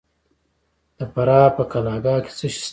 د فراه په قلعه کاه کې څه شی شته؟